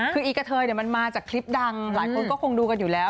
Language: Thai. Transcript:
คืออีกะเทยมันมาจากคลิปดังหลายคนก็คงดูกันอยู่แล้ว